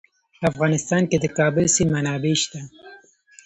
په افغانستان کې د د کابل سیند منابع شته.